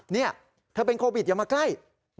นี่เธอเป็นโควิดอย่ามาใกล้